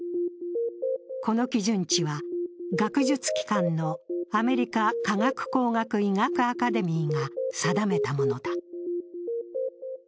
この基準値は学術機関のアメリカ科学・工学・医学アカデミーが定めたものだ。